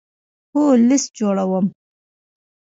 هو، لست جوړوم